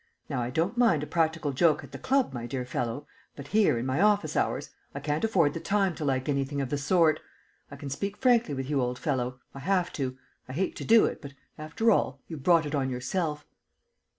Now I don't mind a practical joke at the club, my dear fellow, but here, in my office hours, I can't afford the time to like anything of the sort. I speak frankly with you, old fellow. I have to. I hate to do it, but, after all, you've brought it on yourself."